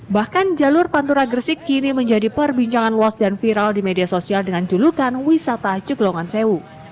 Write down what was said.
bahkan jalur pantura gresik kini menjadi perbincangan luas dan viral di media sosial dengan julukan wisata ceglongan sewu